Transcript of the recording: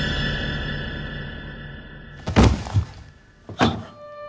あっ！